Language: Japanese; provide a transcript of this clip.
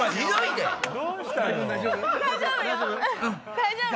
大丈夫？